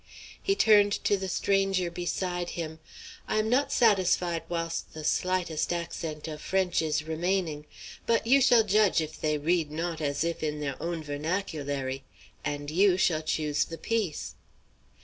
He turned to the stranger beside him. "I am not satisfied whilst the slightest accent of French is remaining. But you shall judge if they read not as if in their own vernaculary. And you shall choose the piece!"